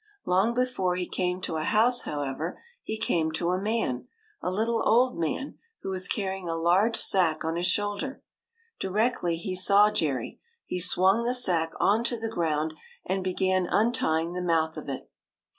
Long before he came to a house, however, he came to a man, a little old man, who was carrying a large sack on his shoulder. Directly he saw Jerry, he swung the sack on to the ground and began untying the mouth of it.